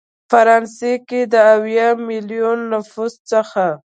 فرانسه کې د اویا ملیونه نفوس څخه